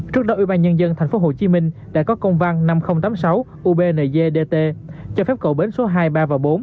trước đó ubnd tp hcm đã có công văn năm nghìn tám mươi sáu ubnzd cho phép cầu bến số hai ba và bốn